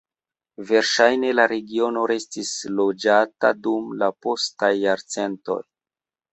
Verŝajne la regiono restis loĝata dum la postaj jarcentoj.